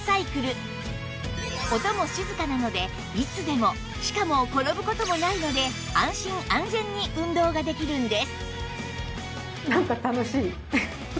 音も静かなのでいつでもしかも転ぶ事もないので安心・安全に運動ができるんです